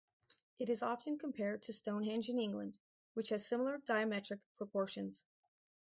It is often compared to Stonehenge in England, which has similar diametric proportions.